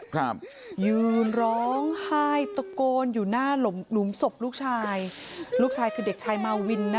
ครับยืนร้องไห้ตะโกนอยู่หน้าหลุมศพลูกชายลูกชายคือเด็กชายมาวินนะคะ